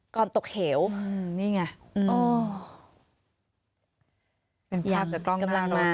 ก่อนตกเหวอืมนี่ไงอืมเป็นภาพจากกล้องหน้ารถ